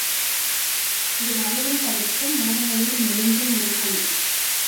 இது நடுவில் தடித்தும் ஒரங்களில் மெலிந்தும் இருக்கும்.